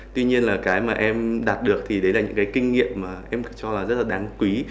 tuy nhiên là cái mà em đạt được thì đấy là những cái kinh nghiệm mà em cho là rất là đáng quý